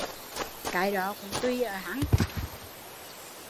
Cái đó cũng tùy ở hắn